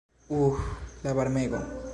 Uh, la varmego!